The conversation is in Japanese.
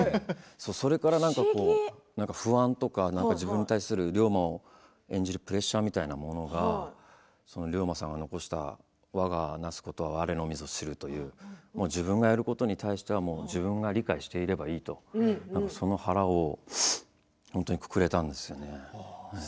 それから不安とか自分に対する龍馬を演じるプレッシャーみたいなものが龍馬さんが残した「我がなすことは我のみぞ知る」という自分がやることに対しては自分が理解していればいいとその腹をくくれたんですよね。